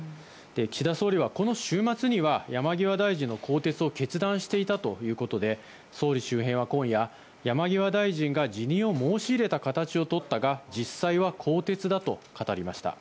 岸田総理はこの週末には山際大臣の更迭を決断していたということで総理周辺は今夜、山際大臣が辞任を申し入れた形をとったが実際は更迭だと語りました。